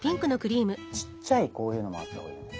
ちっちゃいこういうのもあったほうがいいね。